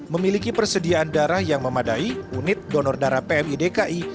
memiliki persediaan darah yang memadai unit donor darah pmi dki